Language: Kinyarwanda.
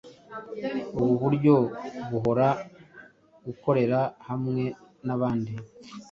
Ubu buryo, buhobora gukorera hamwe nabandi